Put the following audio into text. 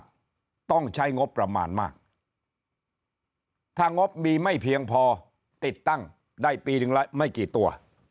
ต้องใช้งบประมาณมากถ้างบมีไม่เพียงพอติดตั้งได้ปีหนึ่งละไม่กี่ตัว